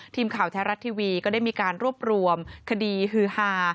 ทีมข่าวแท้รัฐทีวีก็ได้มีการรวบรวมคดีฮือฮา